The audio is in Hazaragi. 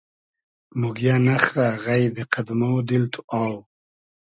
موگیۂ نئخرۂ غݷدی قئد مۉ دیل تو اۆ